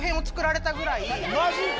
マジか？